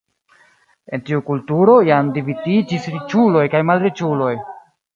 En tiu kulturo jam dividiĝis riĉuloj kaj malriĉuloj.